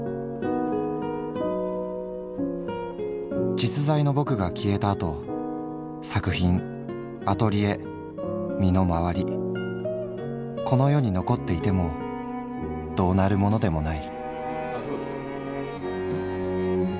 「実在のぼくが消えたあと作品アトリエ身の回りこの世に残っていてもどうなるものでもない」。